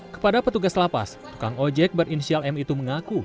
kepada petugas lapas tukang ojek berinisial m itu mengaku